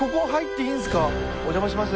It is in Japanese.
お邪魔します。